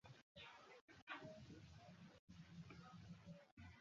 বেদান্ত এরূপ শিক্ষা কখনই দেন না।